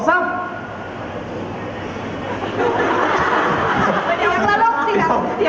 เธอยังไม่ได้